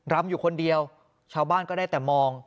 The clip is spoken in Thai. รำอยู่คนเดียวชาวบ้านก็ได้แต่มอง